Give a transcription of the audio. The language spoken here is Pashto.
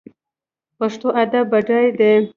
پښتو ادب بډای دی